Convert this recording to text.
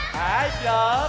いくよ！